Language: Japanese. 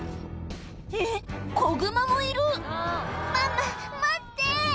えっ子グマもいる「ママ待って」